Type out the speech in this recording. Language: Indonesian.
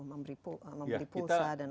memberi pulsa dan lain sebagainya